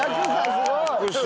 すごい！